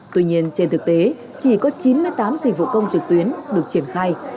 tuy nhiên trên thực tế chỉ có chín mươi tám dịch vụ công trực tuyến được triển khai